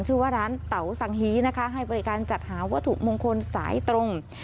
ชื่อว่าร้านเต๋าสังฮีนะคะให้บริการจัดหาวัตถุมงคลสายตรง